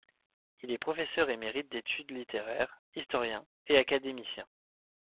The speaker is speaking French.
Il est professeur émérite d'études littéraires, historien et académicien.